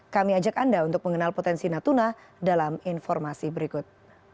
kami ajak anda untuk mengenal potensi natuna dalam informasi berikut